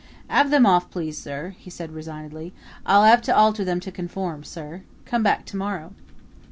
"'Ave them off, please, sir," he said resignedly. "I'll 'ave to alter them to conform, sir. Come back to morrow."